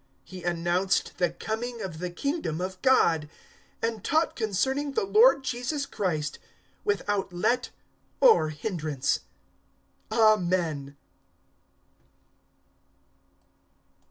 028:031 He announced the coming of the Kingdom of God, and taught concerning the Lord Jesus Christ without let or hindrance.